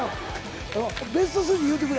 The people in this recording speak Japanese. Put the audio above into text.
ベスト３言うてくれ。